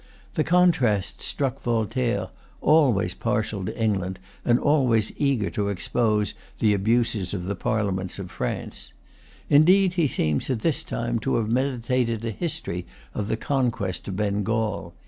The contrast struck Voltaire, always partial to England, and always eager to expose the abuses of the Parliaments of France. Indeed he seems, at this time, to have meditated a history of the conquest of Bengal.